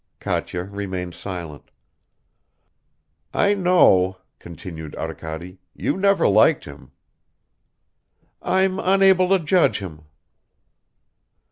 Katya remained silent. "I know," continued Arkady, "you never liked him." "I'm unable to judge him."